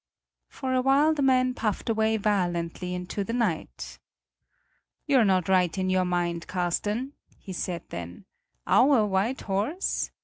For a while the man puffed away violently into the night. "You're not right in your mind, Carsten," he said then; "our white horse?